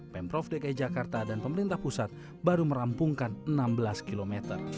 pemprov dki jakarta dan pemerintah pusat baru merampungkan enam belas km